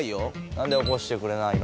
なんで起こしてくれないの？